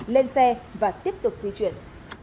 lên xe và tiếp tục di chuyển